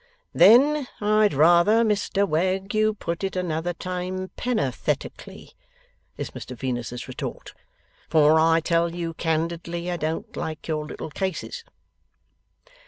'Then I'd rather, Mr Wegg, you put it another time, penn'orth etically,' is Mr Venus's retort, 'for I tell you candidly I don't like your little cases.